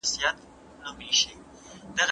د تیزس مسؤلیت په استاد باندې نسته.